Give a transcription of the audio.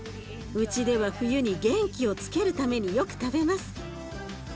うちでは冬に元気をつけるためによく食べます。